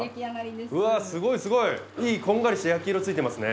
うわすごいすごいこんがりした焼き色ついてますね。